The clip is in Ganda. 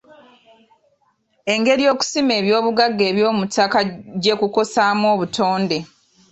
Engeri okusima ebyobugagga eby'omuttaka gye kukosaamu obutonde.